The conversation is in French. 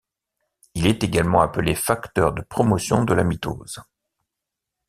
Il est également appelé facteur de promotion de la mitose.